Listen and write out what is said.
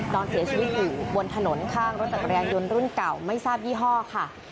นอนเสียชีวิตอยู่บนถนนข้างรถจักรยานยนต์รุ่นเก่าไม่ทราบยี่ห้อค่ะ